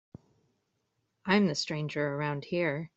I'm the stranger around here.